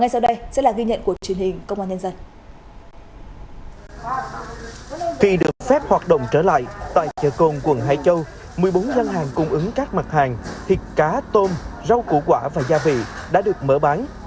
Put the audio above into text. khi được phép hoạt động trở lại tại chợ cồn quận hải châu một mươi bốn gian hàng cung ứng các mặt hàng thịt cá tôm rau củ quả và gia vị đã được mở bán